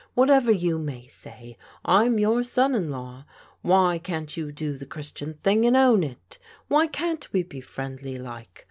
Whatever you may say, I'm your son in law. Why can't you do the Christian thing and own it? Why can't we be friendly like?